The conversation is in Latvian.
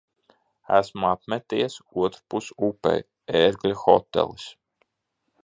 Esmu apmeties otrpus upei. "Ērgļa hotelis".